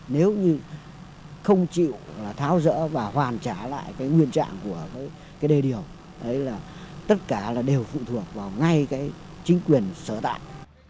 nếu như không chịu là tháo rỡ và hoàn trả lại cái nguyên trạng của cái đê điều là tất cả là đều phụ thuộc vào ngay cái chính quyền sở tại